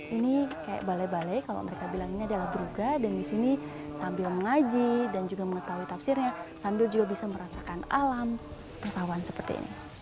ini kayak balai balai kalau mereka bilang ini adalah bruga dan di sini sambil mengaji dan juga mengetahui tafsirnya sambil juga bisa merasakan alam persawahan seperti ini